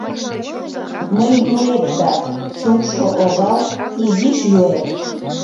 — Мый юэт дак, чотшо огал, изиш юэт.